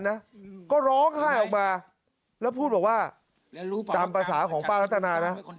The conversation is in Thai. นะก็ร้องให้ออกมาแล้วพูดบอกว่ารู้กล้ำภาษาของป้านะ